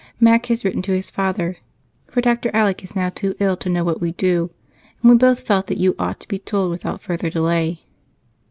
Mac has written to his father, for Dr. Alec is now too ill to know what we do, and we both felt that you ought to be told without further delay.